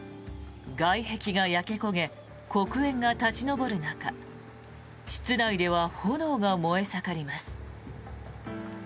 外壁が焼け焦げ黒煙が立ち上る中室内では炎が燃え盛ります。